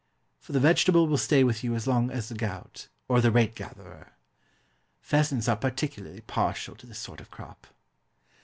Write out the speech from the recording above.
For the vegetable will stay with you as long as the gout, or the rate gatherer. Pheasants are particularly partial to this sort of crop.